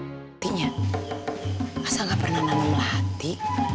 tidak ada yang bisa mengatakan bahwa dia tidak pernah menembalati